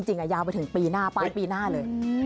ยาวไปถึงปีหน้าปลายปีหน้าเลย